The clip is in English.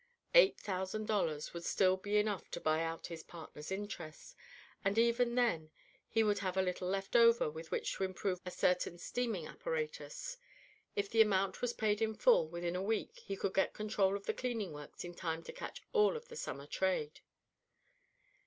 Eight thousand dollars would still be enough to buy out his partner's interest, and even then he would have a little left over with which to improve a certain steaming apparatus. If the amount was paid in full within a week he could get control of the cleaning works in time to catch all of the summer trade.